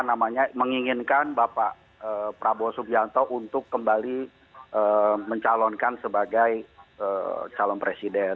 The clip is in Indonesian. yang menginginkan bapak prabowo subianto untuk kembali mencalonkan sebagai calon presiden